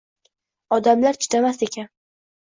Odamlar chidamas ekan